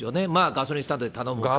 ガソリンスタンドですよ。